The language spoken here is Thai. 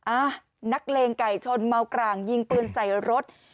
อ่ะนักเลงไก่ชนเมากร่างยิงปืนใส่รถ